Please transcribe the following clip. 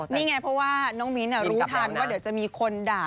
นี่ไงเพราะว่าน้องมิ้นรู้ทันว่าเดี๋ยวจะมีคนด่า